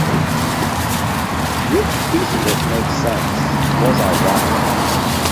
which piece of it makes sense, was I wrong here